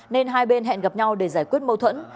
nên hai bên hẹn gặp nhau để giải quyết mâu thuẫn